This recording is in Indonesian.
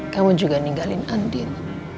kamu juga ninggalin andin